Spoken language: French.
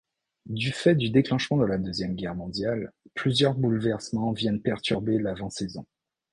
Du fait du déclenchement de la Deuxième Guerre mondiale, plusieurs bouleversements viennent perturber l'avant-saison.